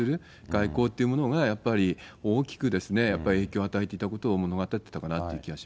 外交っていうものが、やっぱり大きく影響を与えていたことを物語っていたかなという気